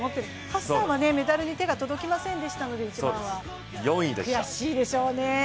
ハッサンはメダルに手が届きませんでしたので悔しいでしょうね。